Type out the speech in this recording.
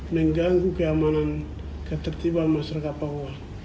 mengganggu keamanan ketertiban masyarakat papua